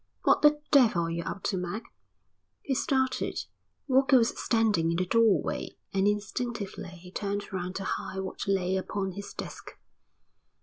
"What the devil are you up to, Mac?" He started. Walker was standing in the doorway and instinctively he turned round to hide what lay upon his desk.